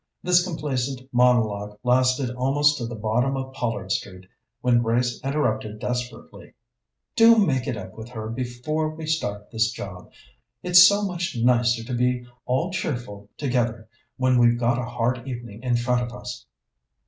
This complacent monologue lasted almost to the bottom of Pollard Street, when Grace interrupted desperately: "Do make it up with her before we start this job. It's so much nicer to be all cheerful together when we've got a hard evening in front of us."